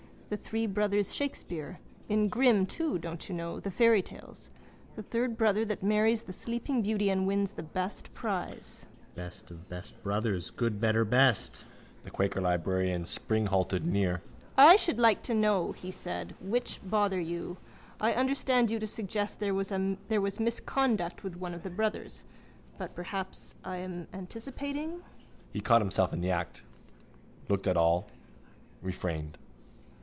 The three brothers Shakespeare. In Grimm too, don't you know, the fairytales. The third brother that always marries the sleeping beauty and wins the best prize. Best of Best brothers. Good, better, best. The quaker librarian springhalted near. —I should like to know, he said, which brother you... I understand you to suggest there was misconduct with one of the brothers... But perhaps I am anticipating? He caught himself in the act: looked at all: refrained.